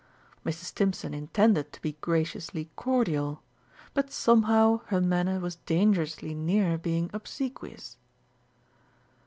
Mrs. Stimpson intended to be graciously cordial, but somehow her manner was dangerously near being obsequious.